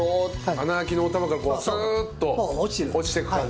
穴あきのお玉からスーッと落ちていく感じ。